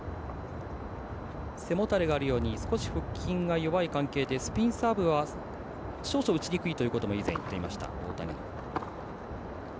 背もたれがあるように少し腹筋が弱い関係でスピンサーブは少々、打ちにくいということも以前、言っていました、大谷。